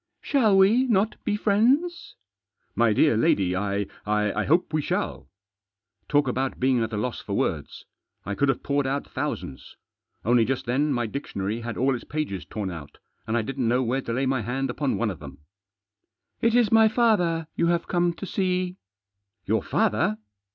" Shall we not be friends ?"" My dear lady, I — I hope we shall." Talk about being at a loss for words! I could have poured out thousands. Only just then my dictionary had all its pages torn out, and I didn't know where to lay my hand upon one of them. " It is my father you have come to see." "Your father?"